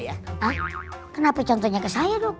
ah kenapa contohnya ke saya dong